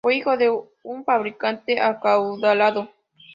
Fue hijo de un fabricante acaudalado.